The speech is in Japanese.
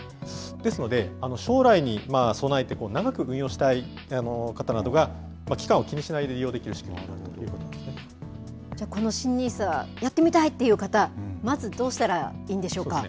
ですので、将来に備えて長く運用したい方などが期間を気にしないで利用できじゃあ、この新ＮＩＳＡ、やってみたいという方、まずどうしたらいいんでしょうか。